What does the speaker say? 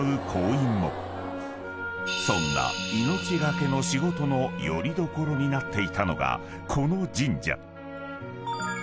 ［そんな命懸けの仕事のよりどころになっていたのがこの］